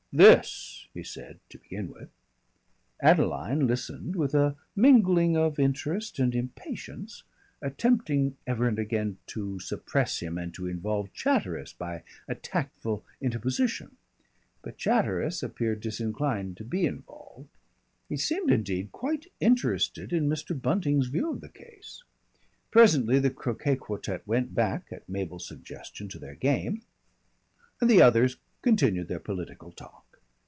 "This," he said to begin with. Adeline listened with a mingling of interest and impatience, attempting ever and again to suppress him and to involve Chatteris by a tactful interposition. But Chatteris appeared disinclined to be involved. He seemed indeed quite interested in Mr. Bunting's view of the case. Presently the croquet quartette went back at Mabel's suggestion to their game, and the others continued their political talk.